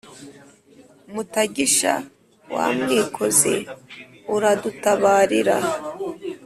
Mutagisha wa Mwikozi uradutabarira.